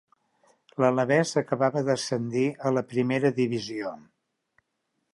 L'Alabès acabava d'ascendir a la Primera divisió.